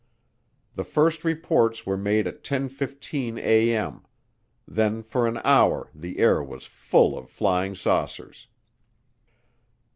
The first reports were made at 10:15A.M.; then for an hour the air was full of flying saucers.